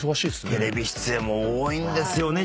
テレビ出演も多いんですよね